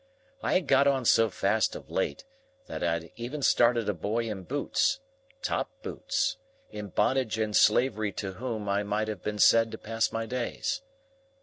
I had got on so fast of late, that I had even started a boy in boots,—top boots,—in bondage and slavery to whom I might have been said to pass my days.